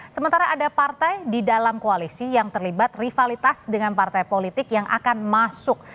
sementara ada partai di dalam koalisi yang terlibat rivalitas dengan partai politik yang akan masuk